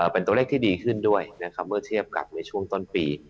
เป็นตัวเลขที่ดีขึ้นด้วยนะครับเมื่อเทียบกับในช่วงต้นปี